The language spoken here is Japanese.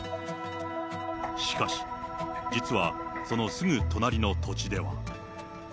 しかし、実はそのすぐ隣の土地では。